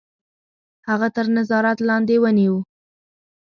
هغه تر نظارت لاندي ونیوی.